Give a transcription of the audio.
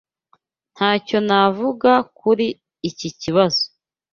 Ntacyo navuga kuri iki kibazo.